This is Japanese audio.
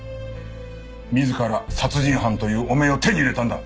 自ら殺人犯という汚名を手に入れたんだ！